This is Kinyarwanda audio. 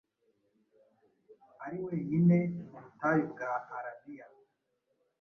Ari wenyine mu butayu bwa Arabiya,